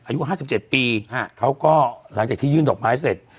อายุห้าสิบเจ็ดปีครับเขาก็หลังจากที่ยื่นดอกไม้เสร็จ